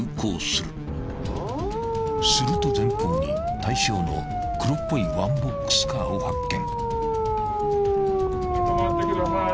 ［すると前方に対象の黒っぽいワンボックスカーを発見］